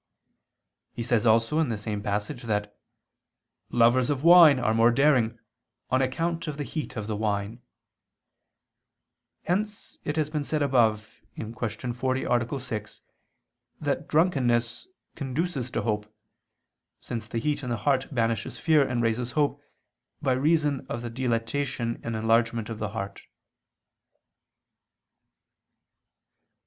He says also in the same passage that "lovers of wine are more daring, on account of the heat of the wine": hence it has been said above (Q. 40, A. 6) that drunkenness conduces to hope, since the heat in the heart banishes fear and raises hope, by reason of the dilatation and enlargement of the heart.